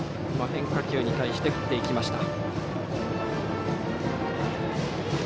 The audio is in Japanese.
変化球に対して振っていきました。